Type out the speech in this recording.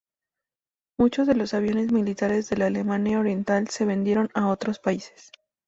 Muchos de los aviones militares de la Alemania Oriental se vendieron a otros países.